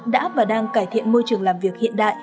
đã và đang cải thiện môi trường làm việc hiện đại